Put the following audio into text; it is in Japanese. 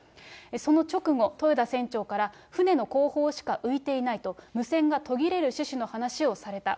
その直後、豊田船長から、船の後方しか浮いていないと、無線が途切れる趣旨の話をされた。